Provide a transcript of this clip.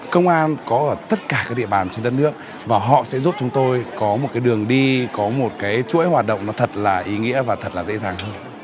công an có ở tất cả các địa bàn trên đất nước và họ sẽ giúp chúng tôi có một cái đường đi có một cái chuỗi hoạt động nó thật là ý nghĩa và thật là dễ dàng hơn